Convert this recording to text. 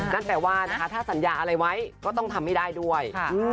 นั่นแปลว่านะคะถ้าสัญญาอะไรไว้ก็ต้องทำให้ได้ด้วย